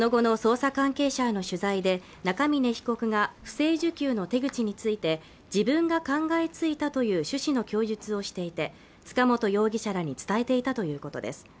その後の捜査関係者への取材で中峯被告が不正受給の手口について自分が考えついたという趣旨の供述をしていて塚本容疑者らに伝えていたということです